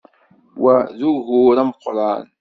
Wa d ugur ameqqran!